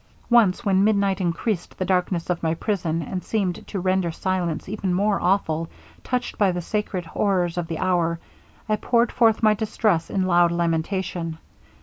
'Once when midnight increased the darkness of my prison, and seemed to render silence even more awful, touched by the sacred horrors of the hour, I poured forth my distress in loud lamentation.